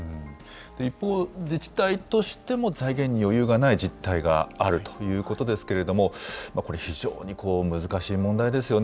一方、自治体としても財源に余裕がない実態があるということですけれども、これ、非常に難しい問題ですよね。